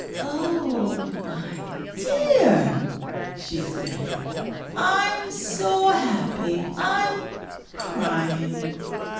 ] "Oh, my dear!" she said. "I'm so happy I'm crying.